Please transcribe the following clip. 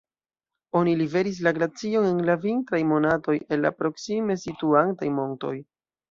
Oni liveris la glacion en la vintraj monatoj el la proksime situantaj montoj.